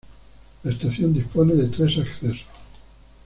La estación dispone de tres acceso.